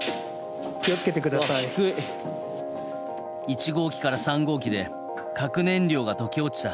１号機から３号機で核燃料が溶け落ちた